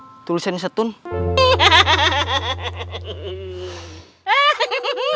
aw tuntut apa itu cepetnya